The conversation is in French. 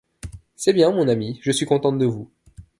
C’est bien, mon ami, je suis contente de vous.